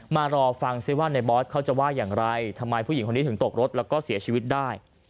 มารอฟังซิว่าในบอสเขาจะว่าอย่างไรทำไมผู้หญิงคนนี้ถึงตกรถแล้วก็เสียชีวิตได้